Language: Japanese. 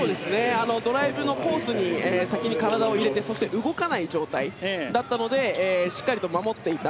ドライブのコースに先に体を入れて動かない状態だったのでしっかりと守っていた。